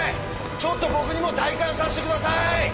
ちょっと僕にも体感させて下さい！